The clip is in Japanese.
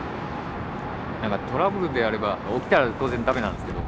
なんかトラブルであれば起きたら当然駄目なんですけど。